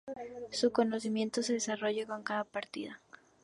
Su conocimiento se desarrolla con cada partida.